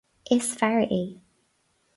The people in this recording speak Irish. is fear é